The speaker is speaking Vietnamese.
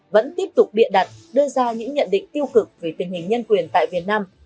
vẫn tiếp tục biện đặt đưa ra những nhận định tiêu cực về tình hình nhân quyền tại việt nam